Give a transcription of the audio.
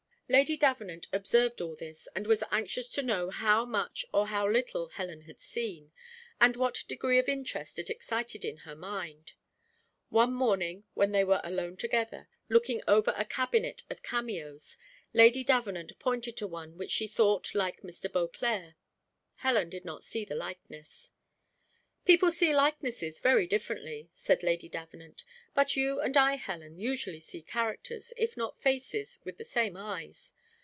Lady Davenant observed all this, and was anxious to know how much or how little Helen had seen, and what degree of interest it excited in her mind. One morning, when they were alone together, looking over a cabinet of cameos, Lady Davenant pointed to one which she thought like Mr. Beauclerc. Helen did not see the likeness. "People see likenesses very differently," said Lady Davenant. "But you and I, Helen, usually see characters, if not faces, with the same eyes.